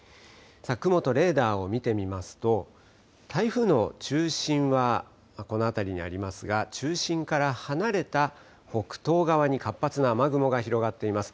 雲とレーダーを見てみますと台風の中心はこの辺りにありますが中心から離れた北東側に活発な雨雲が広がっています。